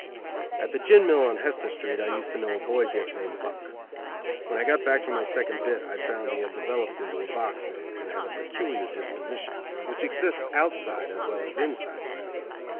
At the gin mill on Hester Street, I used to know a boy dip named Buck. When I got back from my second bit I found he had developed into a box man, and had a peculiar disposition, which exists outside, as well as inside, Graftdom.